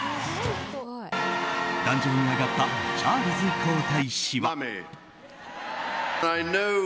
壇上に上がったチャールズ皇太子は。